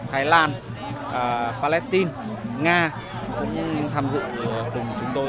thái lan palestine nga cũng tham dự cùng chúng tôi trong chương trình này